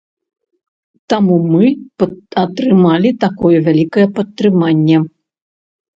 Таму мы атрымалі такое вялікае падтрыманне.